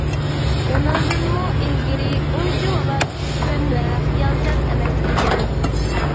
ئۇنىڭدىنمۇ ئىلگىرى ئۇنچىۋالا چۈشكۈن ۋە خىيالچان ئەمەس ئىدىم.